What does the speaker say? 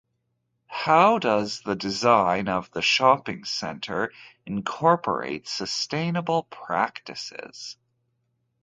How does the design of the shopping centre incorporate sustainable practices?